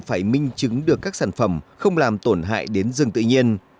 phải minh chứng được các sản phẩm không làm tổn hại đến rừng tự nhiên